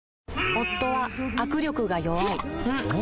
夫は握力が弱い